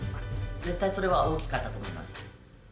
絶対それは大きかったと思います。